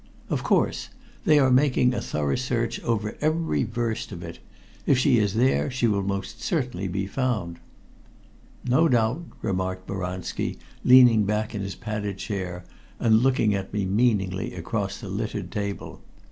"Of course. They are making a thorough search over every verst of it. If she is there, she will most certainly be found." "No doubt," remarked Boranski, leaning back in his padded chair and looking at me meaningly across the littered table.